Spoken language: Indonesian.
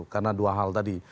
karena dua hal tadi